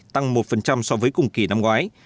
tăng một so với cùng kỳ năm ngoái